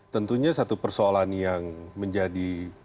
tentunya satu persoalan yang menjadi